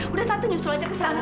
udah tante nyusul aja ke sana